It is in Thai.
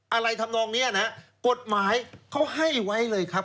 ทำนองนี้นะกฎหมายเขาให้ไว้เลยครับ